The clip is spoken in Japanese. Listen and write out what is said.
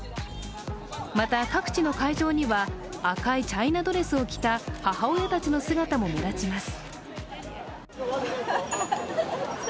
また、各地の会場には赤いチャイナドレスを着た母親たちの姿も目立ちます。